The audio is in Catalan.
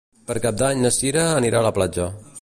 Per Cap d'Any na Sira anirà a la platja.